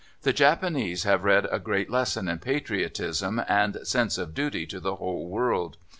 The Japanese have read a great lesson in patriotism and sense of duty to the whole world.